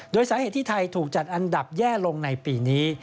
โดยสาเหตุที่ไทยถูกจัดอันดับแย่ลงในปีนี้